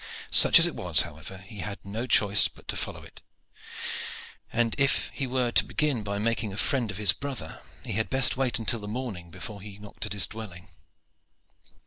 Such as it was, however, he had no choice but to follow it, and if he were to begin by making a friend of his brother he had best wait until morning before he knocked at his dwelling.